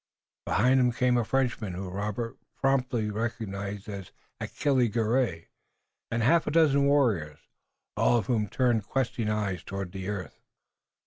Behind him came a Frenchman whom Robert promptly recognized as Achille Garay, and a half dozen warriors, all of whom turned questing eyes toward the earth.